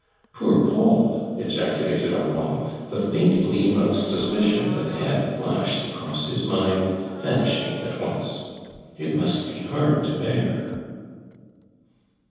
"Poor Paul!" ejaculate<l Armand, the faint gleam of suspicion that had flashed across his mind vanishing at once. "It must be hard to bear."